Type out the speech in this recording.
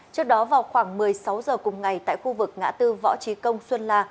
trước đó vào khoảng một mươi sáu h cùng ngày tại khu vực ngã tư võ trí công xuân la